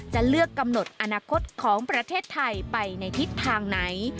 จะเลือกกำหนดอนาคตของประเทศไทยไปในทิศทางไหน